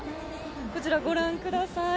こちら、ご覧ください。